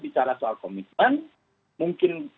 bicara soal komitmen mungkin